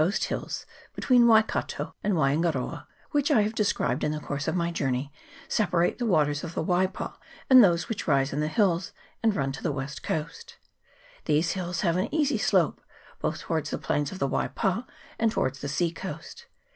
The coast hills between Waikato and Waingaroa, which I have described in the course of my journey, separate the waters of the Waipa and those which rise in the hills and run to the west coast. These hills have an easy slope, both towards the plains of the Waipa and towards the sea coast.